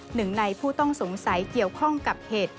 หนึ่งในผู้ต้องสงสัยเกี่ยวข้องกับเหตุ